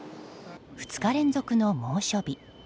２日連続の猛暑日。